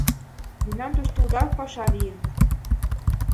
Мемнан тушто уда паша лийын...